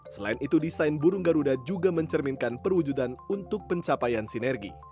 selain itu desain burung garuda juga mencerminkan perwujudan untuk pencapaian sinergi